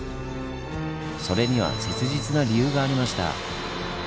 それには切実な理由がありました。